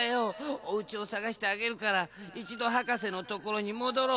おうちをさがしてあげるからいちどはかせのところにもどろう。